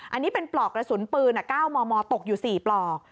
อันนี้เป็นปลอกกระสุนปืน๙มมตกอยู่๔ปลอก